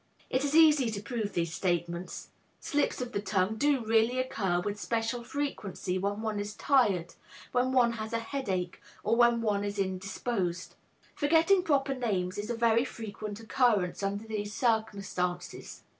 It is easy to prove these statements. Slips of the tongue do really occur with special frequency when one is tired, when one has a headache or when one is indisposed. Forgetting proper names is a very frequent occurrence under these circumstances.